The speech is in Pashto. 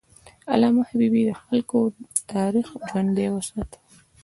علامه حبیبي د خلکو تاریخ ژوندی وساته.